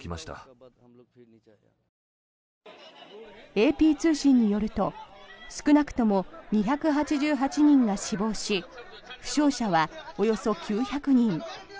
ＡＰ通信によると少なくとも２８８人が死亡し負傷者はおよそ９００人。